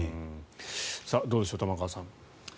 どうでしょう玉川さん。